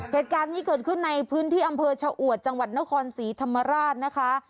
เหตุการณ์นี้เกิดขึ้นในพื้นที่อำเภอชะอวดจังหวัดนครศรีธรรมราชนะคะ